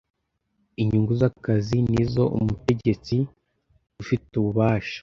inyungu z ‘akazi nizo umutegetsi ufite ububasha.